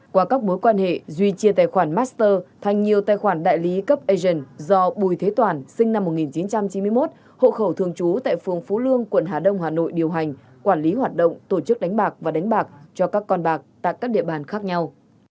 qua các mối quan hệ duy chia tài khoản master thành nhiều tài khoản đại lý cấp asian do bùi thế toàn sinh năm một nghìn chín trăm chín mươi một hộ khẩu thường trú tại phường phú lương quận hà đông hà nội điều hành quản lý hoạt động tổ chức đánh bạc và đánh bạc cho các con bạc tại các địa bàn khác nhau